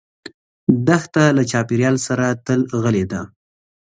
دښته له چاپېریال سره تل غلي ده.